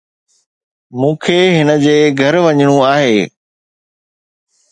مون کي هن جي گهر وڃڻو آهي